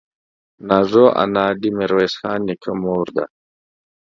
نازو انا دې ميرويس خان نيکه مور ده.